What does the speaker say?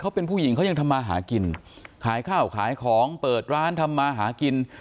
เขาเป็นผู้หญิงเขายังทำมาหากินขายข้าวขายของเปิดร้านทำมาหากิน